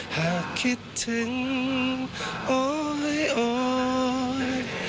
หากคิดถึงโอ๊ยโอย